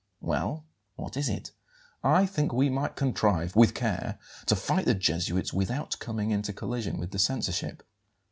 "Well, what is it?" "I think we might contrive, with care, to fight the Jesuits without coming into collision with the censorship."